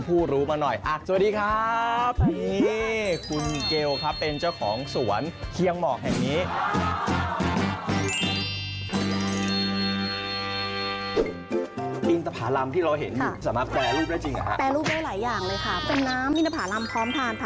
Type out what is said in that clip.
หูชื่อใจหลานกลมกล่อมมาก